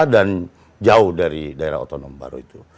dan jauh dari daerah otonom baru